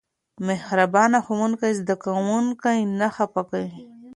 مهربان ښوونکی زده کوونکي نه خفه کوي.